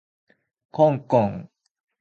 こんこん